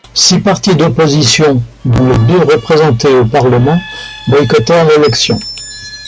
Six partis d'opposition, dont les deux représentés au Parlement, boycottèrent l'élection.